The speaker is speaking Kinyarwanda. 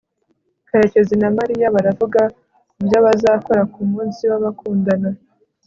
karekezi na mariya baravuga kubyo bazakora kumunsi w'abakundana